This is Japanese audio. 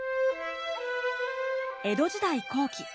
江戸時代後期。